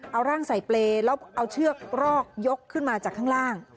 เอาร่างใส่เปรย์แล้วเอาเชือกรอกยกขึ้นมาจากข้างล่าง